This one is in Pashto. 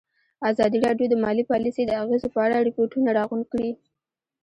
ازادي راډیو د مالي پالیسي د اغېزو په اړه ریپوټونه راغونډ کړي.